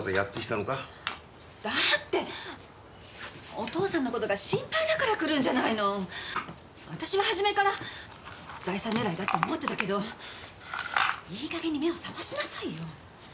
だってお父さんのことが心配だから来るんじゃないの私は初めから財産狙いだって思ってたけどいいかげんに目を覚ましなさいよ友紀はこのうちの財産なんか狙ってない